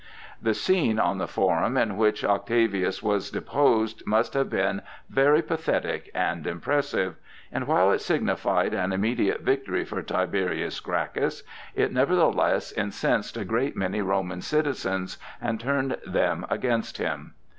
The scene on the Forum in which Octavius was deposed must have been very pathetic and impressive; and while it signified an immediate victory for Tiberius Gracchus, it nevertheless incensed a great many Roman citizens and turned them against him.